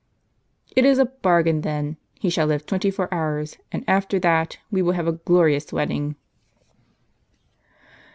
" It is a bargain, then. He shall live twenty four hours ; and after that, we will have a glorious wedding."